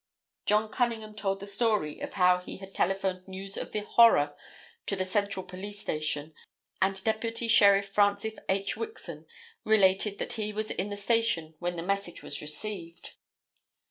'" John Cunningham told the story of how he had telephoned news of the horror to the Central police station; and Deputy Sheriff Francis H. Wixon related that he was in the station when the message was received.